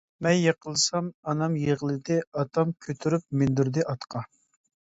مەن يېقىلسام ئانام يىغلىدى، ئاتام كۆتۈرۈپ مىندۈردى ئاتقا.